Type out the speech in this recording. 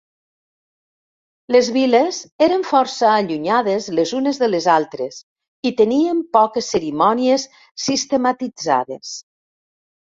Les viles eren força allunyades les unes de les altres, i tenien poques cerimònies sistematitzades.